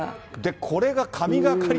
これが神がかり。